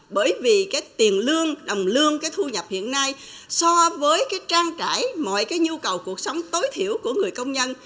bởi vì cái tiền lương đồng lương cái thu nhập hiện nay so với cái trang trải mọi cái nhu cầu cuộc sống tối thiểu của người công nhân